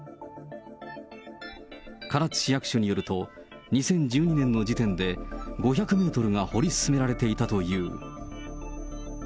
唐津市役所によると、２０１２年の時点で、５００メートルが掘り進められていたという。